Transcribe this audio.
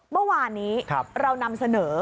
เมื่อวานนี้เรานำเสนอ